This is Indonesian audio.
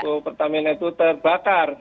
depo pertamina itu terbakar